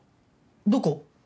どこ？